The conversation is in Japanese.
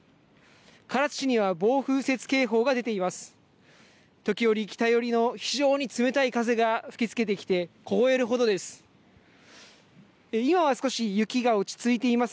唐津市には暴風雪警報が出ています。